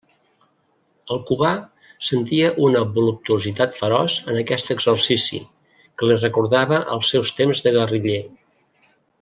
El Cubà sentia una voluptuositat feroç en aquest exercici, que li recordava els seus temps de guerriller.